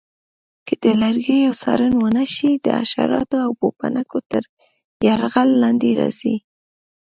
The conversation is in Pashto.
که د لرګیو څارنه ونه شي د حشراتو او پوپنکو تر یرغل لاندې راځي.